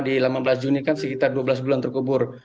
di delapan belas juni kan sekitar dua belas bulan terkubur